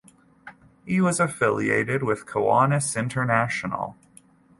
He was affiliated with Kiwanis International.